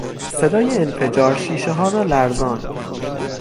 صدای انفجار شیشهها را لرزاند.